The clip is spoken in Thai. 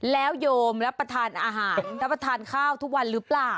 แล้วโยมรับประทานอาหารรับประทานข้าวทุกวันหรือเปล่า